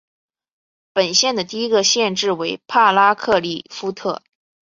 本县的第一个县治为帕拉克利夫特。